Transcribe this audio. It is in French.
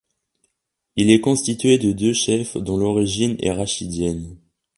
Il est constitué de deux chefs dont l'origine est rachidienne.